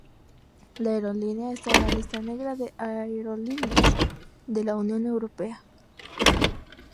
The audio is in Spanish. La aerolínea está en la lista negra de aerolíneas de la Unión Europea.